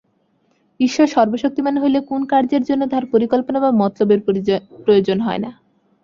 ঈশ্বর সর্বশক্তিমান হইলে কোন কার্যের জন্য তাঁহার পরিকল্পনা বা মতলবের প্রয়োজন হয় না।